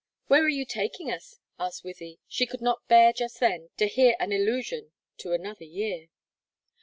Where are you taking us?" asked Wythie; she could not bear just then to hear an allusion to another year.